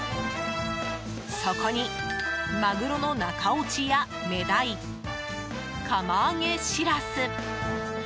そこにマグロの中落ちやメダイ釜揚げシラス。